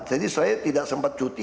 saya tidak sempat cuti